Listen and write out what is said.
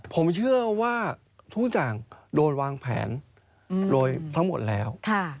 ผมเชื่อว่าทุกอย่างโดนวางแผนโดยทั้งหมดแล้ว